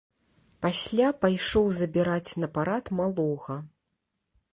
Пасля пайшоў забіраць на парад малога.